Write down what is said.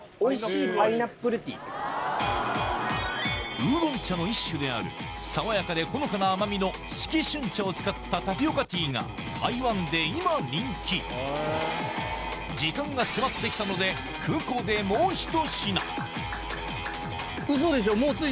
ウーロン茶の一種である爽やかでほのかな甘みの四季春茶を使ったタピオカティーが台湾で今人気時間が迫ってきたのでウソでしょ。